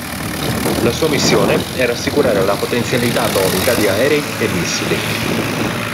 La sua missione era assicurare la potenzialità atomica di aerei e missili.